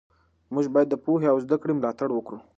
موږ باید د پوهې او زده کړې ملاتړ وکړو.